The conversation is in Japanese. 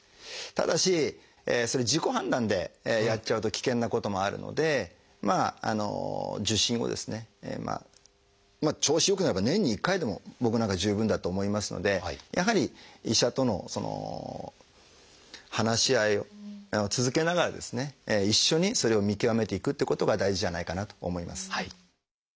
ただし自己判断でやっちゃうと危険なこともあるので受診をですね調子良くなれば年に１回でも僕なんかは十分だと思いますのでやはり医者との話し合いを続けながら一緒にそれを見極めていくっていうことが大事じゃないかなと思います。